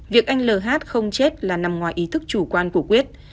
việc anh l không chết là nằm ngoài ý thức chủ quan của quyết